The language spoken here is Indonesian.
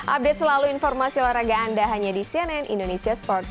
update selalu informasi olahraga anda hanya di cnn indonesia sports